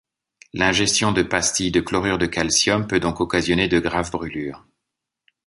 L'ingestion de pastilles de chlorure de calcium peut donc occasionner de graves brûlures.